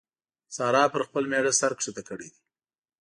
سارا پر خپل مېړه سر کښته کړی دی.